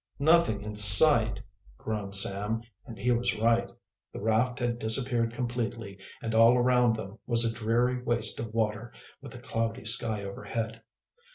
"Nothing in sight!" groaned Sam, and he was right. The raft had disappeared completely, and all around them was a dreary waste of water, with a cloudy sky overhead.